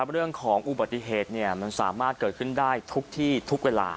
เรื่องของอุบัติเหตุมันสามารถเกิดขึ้นได้ทุกที่ทุกเวลา